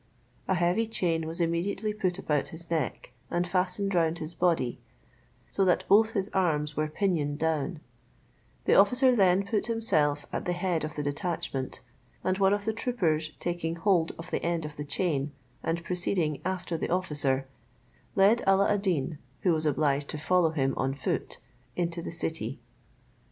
A heavy chain was immediately put about his neck, and fastened round his body, so that both his arms were pinioned down; the officer then put himself at the head of the detachment, and one of the troopers taking hold of the end of the chain and proceeding after the officer, led Alla ad Deen, who was obliged to follow him on foot, into the city.